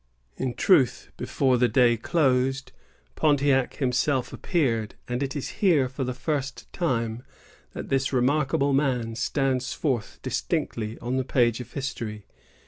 In truth, before the day closed, Pontiac himself appeared; and it is here, for the first time, that this remarkable man stands forth distinctly on the page of history.